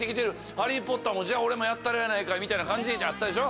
ハリー・ポッターも俺もやったろうやないかみたいな感じになったでしょ？